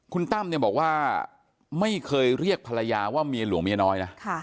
คุณตั้มเนี่ยบอกว่าไม่เคยเรียกภรรยาว่าเมียหลวงเมียน้อยนะ